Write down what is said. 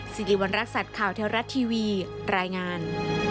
สิริวัณรักษัตริย์ข่าวเทวรัฐทีวีรายงาน